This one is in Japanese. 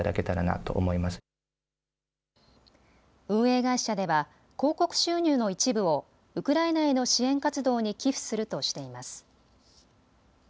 運営会社では広告収入の一部をウクライナへの支援活動に寄付するとしています。